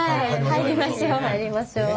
入りましょう。